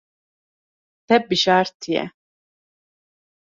Te bijartiye.